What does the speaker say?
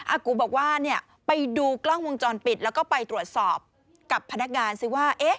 กูบอกว่าเนี่ยไปดูกล้องวงจรปิดแล้วก็ไปตรวจสอบกับพนักงานซิว่า